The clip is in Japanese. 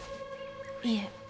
いえ。